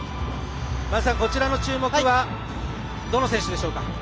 播戸さん、こちらの注目はどの選手でしょうか？